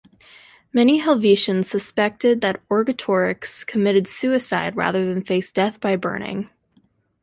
Many Helvetians suspected that Orgetorix committed suicide rather than face death by burning.